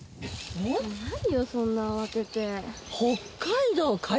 何よそんな慌てて。